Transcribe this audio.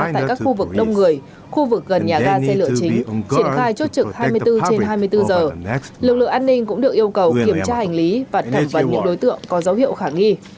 tại các khu vực đông người khu vực gần nhà ga xe lửa chính triển khai chốt trực hai mươi bốn trên hai mươi bốn giờ lực lượng an ninh cũng được yêu cầu kiểm tra hành lý và thẳng vào những đối tượng có dấu hiệu khả nghi